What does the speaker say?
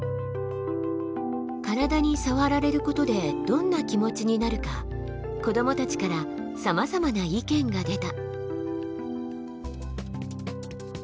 体に触られることでどんな気持ちになるか子どもたちからさまざまな意見が出た。